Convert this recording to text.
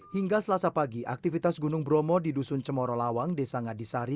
hingga selasa pagi aktivitas gunung bromo di dusun cemoro lawang desa ngadisari